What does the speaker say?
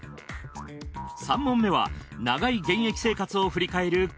３問目は長い現役生活を振り返る